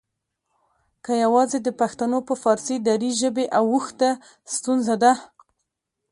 که یواځې د پښتنو په فارسي دري ژبې اوښتنه ستونزه ده؟